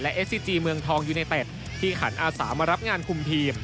เอสซิจีเมืองทองยูเนเต็ดที่ขันอาสามารับงานคุมทีม